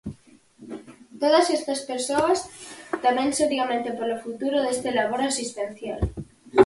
Todas estas persoas temen seriamente polo futuro deste labor asistencial.